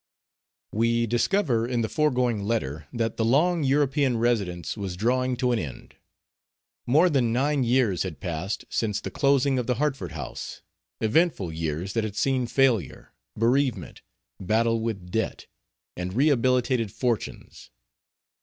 We discover in the foregoing letter that the long European residence was drawing to an end. More than nine years had passed since the closing of the Hartford house eventful years that had seen failure, bereavement, battle with debt, and rehabilitated fortunes.